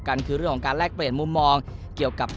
นะครับก็เป็นสักทีครั้ง